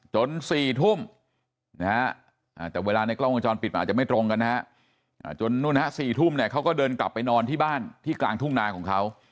จน๔ทุ่มแต่เวลาในกล้องวงจรปิดอาจจะไม่ตรงกันนะจน๔ทุ่มเขาก็เดินกลับไปนอนที่บ้านที่กลางทุ่งนาของเขา